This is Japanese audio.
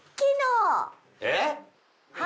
えっ！？